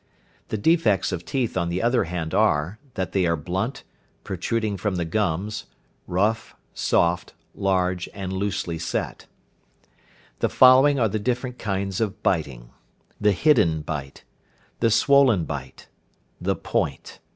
The defects of teeth on the other hand are, that they are blunt, protruding from the gums, rough, soft, large, and loosely set. The following are the different kinds of biting, viz.: The hidden bite. The swollen bite. The point.